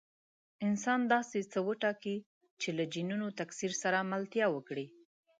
انسان داسې څه وټاکي چې له جینونو تکثیر سره ملتیا وکړي.